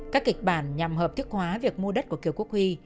các kịch bản nhằm hợp thức hóa việc mua đất của kiều quốc huy